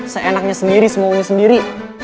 seenaknya sendiri semuanya sendiri